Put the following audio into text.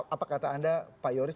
apa kata anda pak yoris